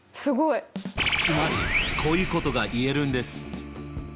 つまりこういうことが言えるんです。